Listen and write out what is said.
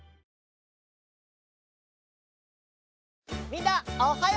みんなおっはよ！